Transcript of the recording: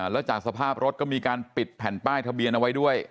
แล้วจากสภาพรถก็มีการปิดแผ่นป้ายทะเบียนเอาไว้ด้วย